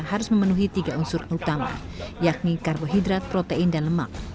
harus memenuhi tiga unsur utama yakni karbohidrat protein dan lemak